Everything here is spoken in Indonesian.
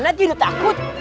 anak tidak takut